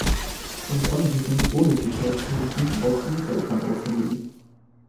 Man kann diesen ohne Sicherheitsrisiken auch Angreifern aushändigen.